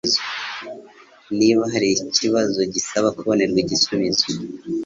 Niba hari ikibazo gisaba kubonerwa igisubizo